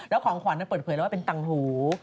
แล้วของขวัญเปิดเผยแล้วว่าเป็นตังหู